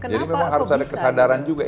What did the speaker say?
jadi memang harus ada kesadaran juga